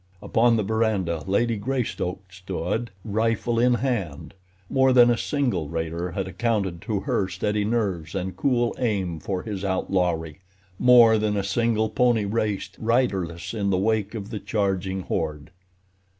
Upon the veranda Lady Greystoke stood, rifle in hand. More than a single raider had accounted to her steady nerves and cool aim for his outlawry; more than a single pony raced, riderless, in the wake of the charging horde.